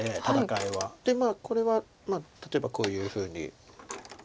でこれは例えばこういうふうに。